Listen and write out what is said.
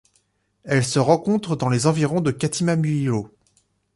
Elle se rencontre dans les environs de Katima Mulilo.